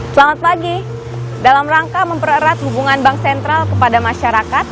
selamat pagi dalam rangka mempererat hubungan bank sentral kepada masyarakat